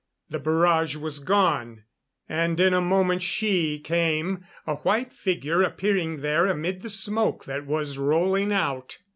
The barrage was gone; and in a moment she came a white figure appearing there amid the smoke that was rolling out.